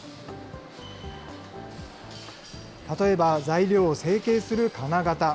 例えば材料を成形する金型。